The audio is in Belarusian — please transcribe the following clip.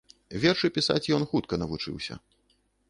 Вершы пісаць ён хутка навучыўся.